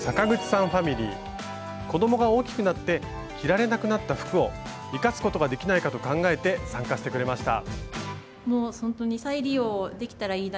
子どもが大きくなって着られなくなった服を生かすことができないかと考えて参加してくれました。